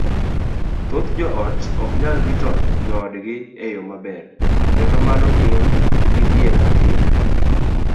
thoth joot ok nyal rito joodgi e yo maber, kendo mano miyo gidhier ahinya.